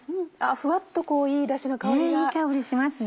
ふわっとこういいダシの香りがしますね。